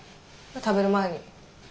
食べる前に。